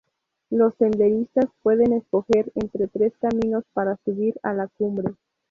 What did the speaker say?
Los senderistas pueden escoger entre tres caminos para subir a la cumbre.